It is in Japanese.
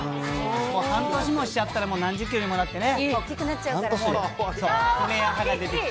もう半年もしちゃったら何十キロにもなってね。